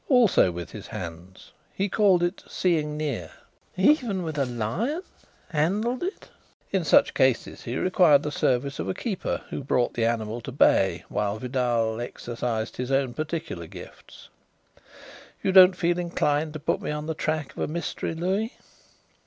"Also with his hands. He called it 'seeing near.'" "Even with a lion handled it?" "In such cases he required the services of a keeper, who brought the animal to bay while Vidal exercised his own particular gifts ... You don't feel inclined to put me on the track of a mystery, Louis?"